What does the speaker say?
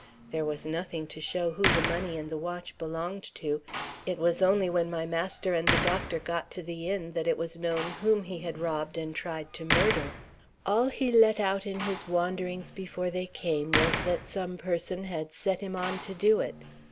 There was nothing to show who the money and the watch belonged to. It was only when my master and the doctor got to the inn that it was known whom he had robbed and tried to murder. All he let out in his wanderings before they came was that some person had set him on to do it.